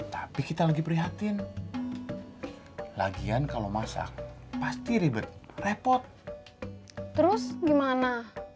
tapi kita lagi prihatin lagian kalau masak pasti ribet repot terus gimana